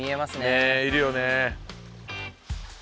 ねえいるよね。